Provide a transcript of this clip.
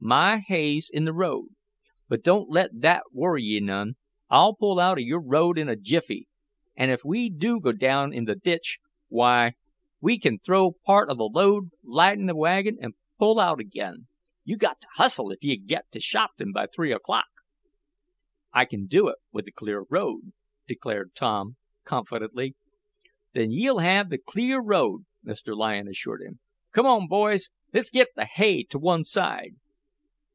My hay's in the road. But don't let that worry ye none. I'll pull out of your road in a jiffy, an' if we do go down in th' ditch, why we can throw off part of th' load, lighten th' wagon, an' pull out again. You've got t' hustle if ye git t' Shopton by three o'clock." "I can do it with a clear road," declared Tom, confidently. "Then ye'll have th' clear road," Mr. Lyon assured him. "Come boys, let's git th' hay t' one side."